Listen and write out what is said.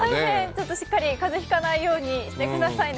ちょっとしっかり風邪引かないようにしてくださいね。